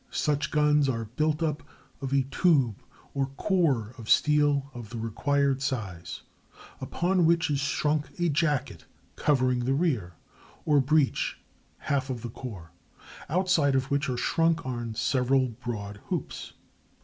Such guns are built up of a tube or "core" of steel of the required size, upon which is shrunk a jacket, covering the rear, or breech half of the core, outside of which are shrunk on several broad hoops.